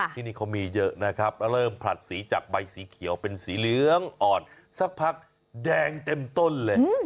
ที่นี่เขามีเยอะนะครับเริ่มผลัดสีจากใบสีเขียวเป็นสีเหลืองอ่อนสักพักแดงเต็มต้นเลย